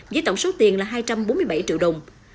với tổng số tiền là hai trăm bốn mươi bảy triệu đồng